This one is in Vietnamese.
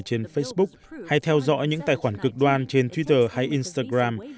trên facebook hay theo dõi những tài khoản cực đoan trên twitter hay instagram